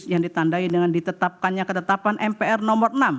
yang ditandai dengan ditetapkannya ketetapan mpr no enam dua ribu dua puluh satu